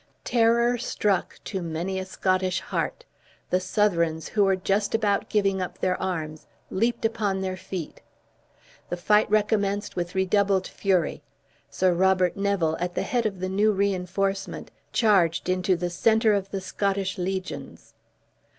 Terror struck to many a Scottish heart. The Southrons who were just about giving up their arms, leaped upon their feet. The fight recommenced with redoubled fury. Sir Robert Neville, at the head of the new reinforcement, charged into the center of the Scottish legions.